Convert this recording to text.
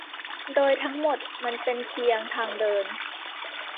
โดยทั้งหมดมันเป็นเพียงทางเดิน